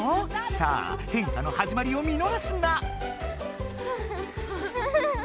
さあ変化のはじまりを見のがすな！